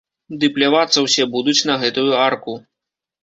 Ды плявацца ўсе будуць на гэтую арку.